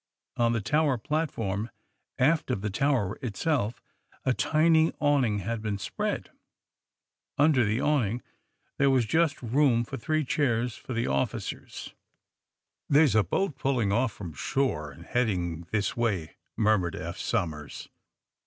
On the tower platform, aft of the tower itself, a tiny awning had been spread. Under the awn ing there was just room for three chairs for the officers. ^^ There ^s a boat putting off from shore, and heading this way," murmured Eph Somers.